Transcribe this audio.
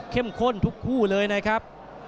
ข้นทุกคู่เลยนะครับ